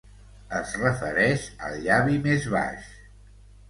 Es refereix al llavi més baix.